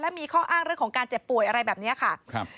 มีข้ออ้างเรื่องของการเจ็บป่วยอะไรแบบนี้ค่ะครับ